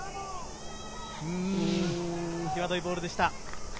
際どいボールでした。